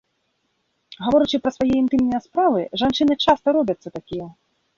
Гаворачы пра свае інтымныя справы, жанчыны часта робяцца такія.